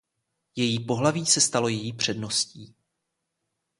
Její pohlaví se stalo její předností.